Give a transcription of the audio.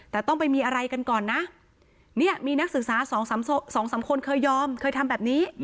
แต่ต้องไปมีอะไรกันก่อนนะ